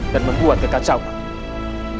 dan membuat kekacauan